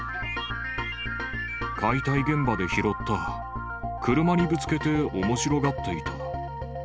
解体現場で拾った、車にぶつけておもしろがっていた。